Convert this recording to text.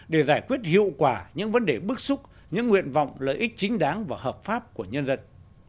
để giải quyết hiệu quả những vấn đề bức xúc những nguyện vọng lợi ích chính đáng và hợp pháp của nhân dân